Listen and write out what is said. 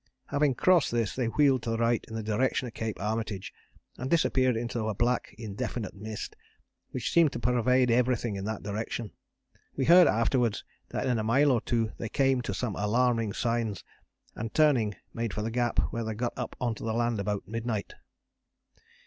Having crossed this they wheeled to the right in the direction of Cape Armitage and disappeared into a black indefinite mist, which seemed to pervade everything in that direction. We heard afterwards that in a mile or two they came to some alarming signs and, turning, made for the Gap where they got up on to the land about midnight.